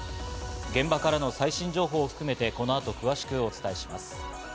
現場からの最新情報を含めてこの後、詳しくお伝えします。